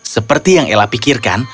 seperti yang ella pikirkan